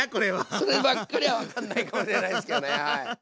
そればっかりは分かんないかもしれないですけどね。